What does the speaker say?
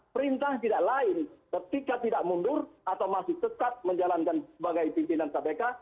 perintah tidak lain ketika tidak mundur atau masih tetap menjalankan sebagai pimpinan kpk